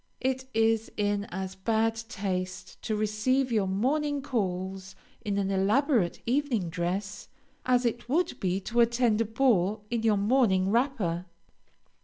It is in as bad taste to receive your morning calls in an elaborate evening dress, as it would be to attend a ball in your morning wrapper.